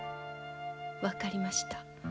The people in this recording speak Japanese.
分かりました。